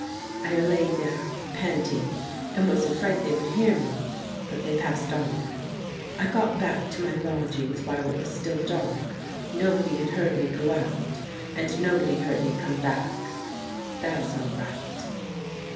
I lay there panting, and was afraid they would hear me, but they passed on. I got back to my lodgings while it was still dark ; nobody had heard me go out, and nobody heard me come back. That is all right.